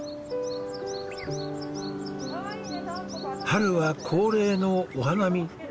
春は恒例のお花見。